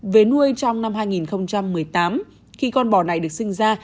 về nuôi trong năm hai nghìn một mươi tám khi con bò này được sinh ra